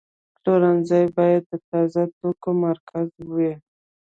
پلورنځی باید د تازه توکو مرکز وي.